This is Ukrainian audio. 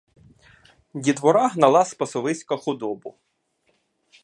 Дітвора гнала з пасовиська худобу.